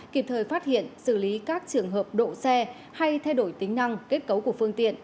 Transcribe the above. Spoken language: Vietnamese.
kịp thời phát hiện xử lý các trường hợp độ xe hay thay đổi tính năng kết cấu của phương tiện